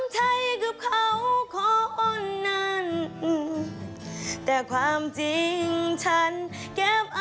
จริงที่เฮาสอง